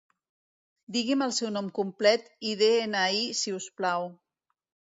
Digui'm el seu nom complet i de-ena-i si us plau.